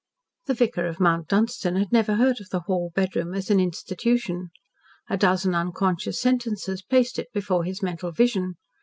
The vicar of Mount Dunstan had never heard of the "hall bedroom" as an institution. A dozen unconscious sentences placed it before his mental vision.